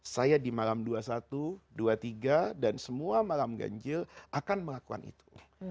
saya di malam dua puluh satu dua puluh tiga dan semua malam ganjil akan melakukan itu